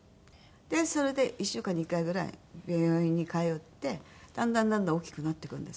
でそれで１週間に１回ぐらい病院に通ってだんだんだんだん大きくなってくるんですよ。